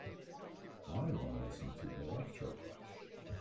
I wanna listen to Electroclash